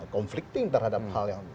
conflicting terhadap hal yang